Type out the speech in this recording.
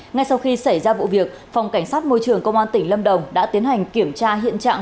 ngay sau khi xảy ra vụ việc phòng cảnh sát môi trường công an tỉnh lâm đồng đã tiến hành kiểm tra hiện trạng